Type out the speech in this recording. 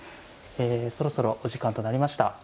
えそろそろお時間となりました。